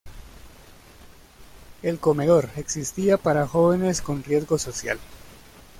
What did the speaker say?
El „Comedor“ existía para jóvenes con riesgo social.